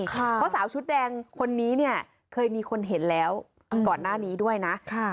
เพราะสาวชุดแดงคนนี้เนี่ยเคยมีคนเห็นแล้วก่อนหน้านี้ด้วยนะ